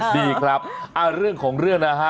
ดีครับเรื่องของเรื่องนะฮะ